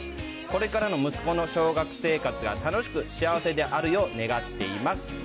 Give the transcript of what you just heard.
これからの息子の小学生活が楽しく幸せであるよう、願っています。